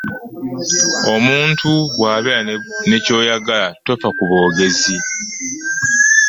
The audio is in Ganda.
Omuntu bwobeera ne kyoyagala tofa ku boogezi.